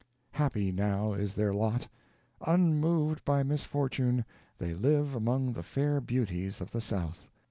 Happy now is their lot! Unmoved by misfortune, they live among the fair beauties of the South.